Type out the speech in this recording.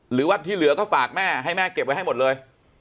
หรือว่าที่เหลือก็ฝากแม่ให้แม่เก็บไว้ให้หมดเลย